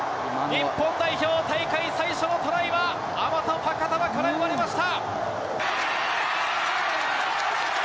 日本代表、大会最初のトライは、アマト・ファカタヴァから生まれました。